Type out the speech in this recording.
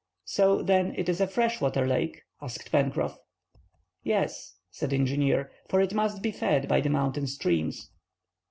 "So, then, it is a fresh water lake?" asked Pencroff. "Yes," said the engineer, "for it must be fed by the mountain streams."